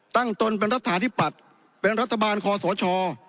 ตั้งตนเป็นรัฐฐานิปัสเป็นรัฐบาลคอศช